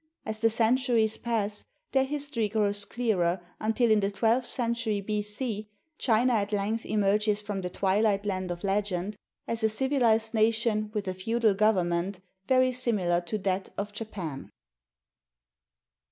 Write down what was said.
As the centuries pass their history grows clearer until in the twelfth century B.C. China at length emerges from the twilight land of legend, as a civilized nation with a feudal government very similar to that of Japan.